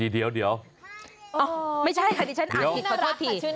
เดี๋ยวไม่ใช่ค่ะดิฉันอ่านผิดขอโทษที